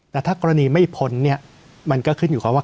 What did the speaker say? แต่ถ้ากรณีไม่พ้นเนี่ยมันก็ขึ้นอยู่กับว่า